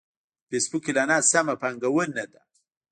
د فېسبوک اعلانات سمه پانګونه ده.